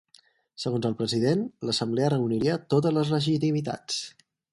Segons el president, l’assemblea reuniria totes les legitimitats.